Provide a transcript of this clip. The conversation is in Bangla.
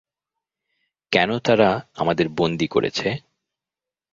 কেন তারা আমাদের বন্দি করেছে?